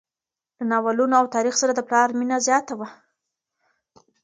له ناولونو او تاریخ سره د پلار مینه زیاته وه.